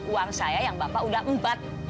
uang saya yang bapak udah empat